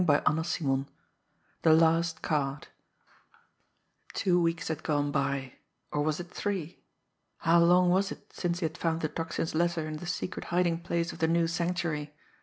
CHAPTER XIV THE LAST CARD Two weeks had gone by or was it three? How long was it since he had found the Tocsin's letter in the secret hiding place of the new Sanctuary!